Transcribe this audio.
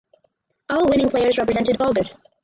All winning players represented Augur.